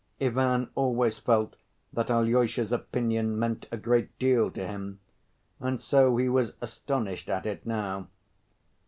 Ivan always felt that Alyosha's opinion meant a great deal to him, and so he was astonished at it now.